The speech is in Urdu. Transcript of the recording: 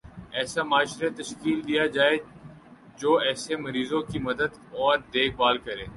ایسا معاشرہ تشکیل دیا جائےجو ایسے مریضوں کی مدد اور دیکھ بھال کرے